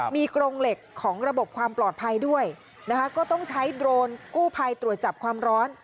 มีกรงเหล็กของระบบความปลอดภัยด้วยนะคะก็ต้องใช้โดรนกู้ภัยตรวจจับความร้อน